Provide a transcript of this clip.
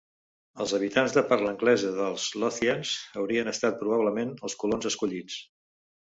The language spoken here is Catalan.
Els habitants de parla anglesa dels Lothians haurien estat probablement els colons escollits.